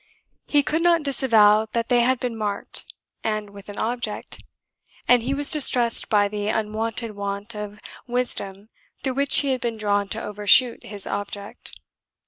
He could not disavow that they had been marked, and with an object, and he was distressed by the unwonted want of wisdom through which he had been drawn to overshoot his object.